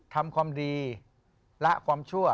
ทำความดีและความชั่ว